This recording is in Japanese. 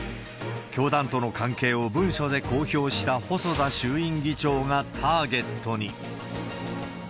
教団との関係を文書で公表した細田衆院議長がターゲットに。